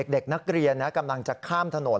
เด็กนักเรียนกำลังจะข้ามถนน